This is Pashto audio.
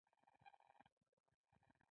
څه پوښتنه پکې لرې؟